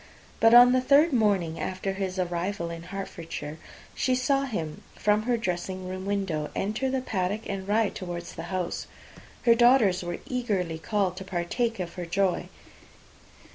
But on the third morning after his arrival in Hertfordshire, she saw him from her dressing room window enter the paddock, and ride towards the house. Her daughters were eagerly called to partake of her joy.